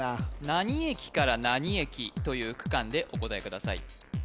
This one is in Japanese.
何駅から何駅という区間でお答えください